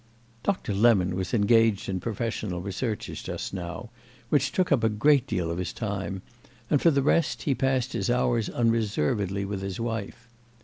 Doctor Lemon was engaged in professional researches just now, which took up a great deal of his time; and for the rest he passed his hours unreservedly with his wife.